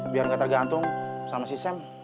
biar nggak tergantung sama si sam